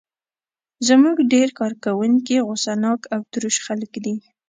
زموږ ډېر کارکوونکي غوسه ناک او تروش خلک دي.